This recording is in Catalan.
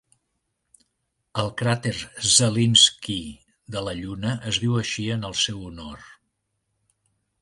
El cràter Zelinskiy de la Lluna es diu així en el seu honor.